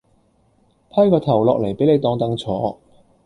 批個頭落嚟畀你當凳坐